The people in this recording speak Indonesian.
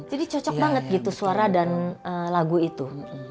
jadi cocok banget gitu suara dan lagu itu